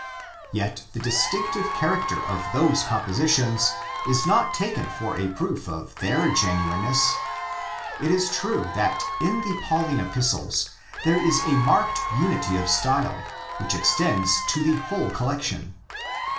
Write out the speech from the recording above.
Yet the distinctive character of those compositions is not taken for a proof of their genuineness." It is true that in the Pauline Epistles there is a marked unity of style, which extends to the whole collection!